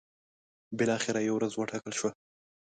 بالاخره یوه ورځ وټاکل شوه.